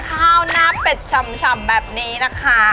ข้าวหน้าเป็ดฉ่ำแบบนี้นะคะ